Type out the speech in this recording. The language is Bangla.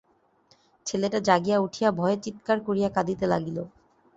ছেলেটা জাগিয়া উঠিয়া ভয়ে চীৎকার করিয়া কাঁদিতে লাগিল।